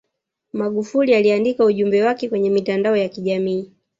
magufuli aliandike ujumbe wake kwenye mitandao ya kijamii